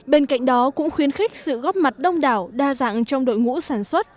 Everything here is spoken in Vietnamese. bên cạnh đó cũng khuyến khích sự góp mặt đông đảo đa dạng trong đội ngũ sản xuất